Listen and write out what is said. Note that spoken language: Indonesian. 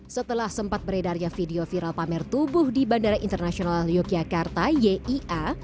setelah sempat beredarnya video viral pamer tubuh di bandara internasional yogyakarta yia